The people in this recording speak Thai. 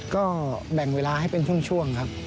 ก็แบ่งเวลาให้เป็นช่วงครับ